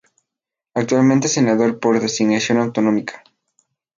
Actualmente es senador por designación autonómica.